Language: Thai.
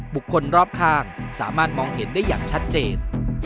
คนรอบข้างสามารถมองเห็นได้อย่างชัดเจน